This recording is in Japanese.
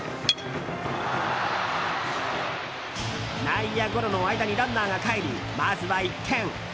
内野ゴロの間にランナーがかえりまずは１点。